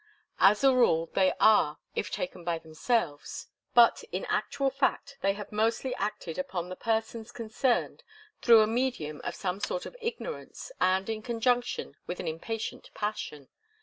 As a rule, they are, if taken by themselves. But in actual fact they have mostly acted upon the persons concerned through a medium of some sort of ignorance and in conjunction with an impatient passion.